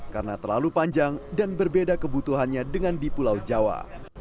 karena terlalu panjang dan berbeda kebutuhannya dengan di pulau jawa